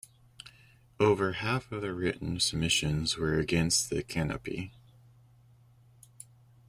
Over half of the written submissions were against the canopy.